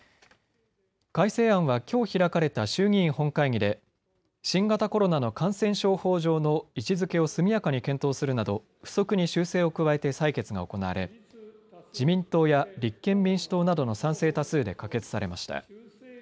改正案はきょう開かれた衆議院本会議で新型コロナの感染症法上の位置づけを速やかに検討するなど付則に修正を加えて採決が行われ、自民党や立憲民主党などの賛成多数で可決されました。